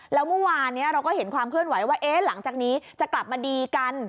แล้วเมื่อวานนี้เราก็เห็นความเคลื่อนไหวว่าหลังจากนี้จะกลับมาดีกัน